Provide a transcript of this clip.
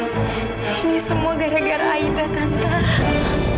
ini semua gara gara aida tentang